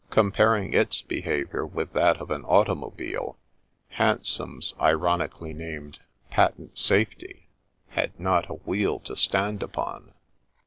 Comparing its behaviour with that of an automobile, Hansom's ironically named " Patent Safety " had not a wheel to stand upon.